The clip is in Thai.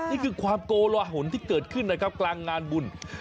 นี่คือความโกลหนที่เกิดขึ้นนะครับกลางงานบุญ